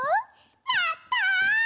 やった！